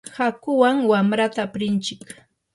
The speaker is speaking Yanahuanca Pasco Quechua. hakuwan wamrata aprinchik.